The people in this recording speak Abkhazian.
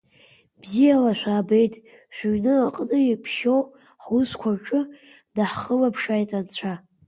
Бзиала шәаабеит шәыҩны аҟны, иԥшьоу ҳусқәа рҿы даҳхылаԥшааит Анцәа.